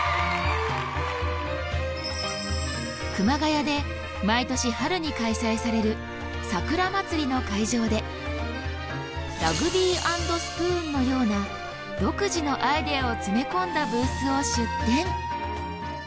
熊谷で毎年春に開催される「さくら祭」の会場でラグビー＆スプーンのような独自のアイデアを詰め込んだブースを出店。